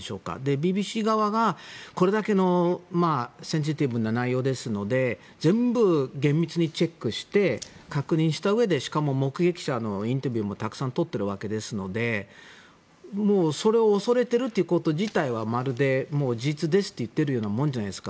ＢＢＣ側が、これだけのセンシティブな内容ですので全部、厳密にチェックして確認したうえでしかも目撃者のインタビューもたくさん撮っているわけですのでもう、それを恐れているということ自体がまるで事実ですって言っているようなもんじゃないですか。